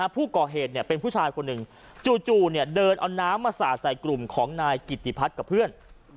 ผู้ก่อเหตุเป็นผู้ชายคนหนึ่งจู่เดินเอาน้ำมาสาดใส่กลุ่มของนายกิติพัฒน์กับเพื่อน